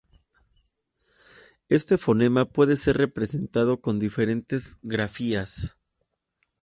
Este fonema puede ser representado con diferentes grafías.